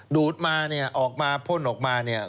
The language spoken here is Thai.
ดูดมาเนี่ยออกมาพ่นออกมาเนี่ย